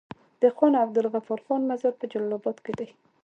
د خان عبدالغفار خان مزار په جلال اباد کی دی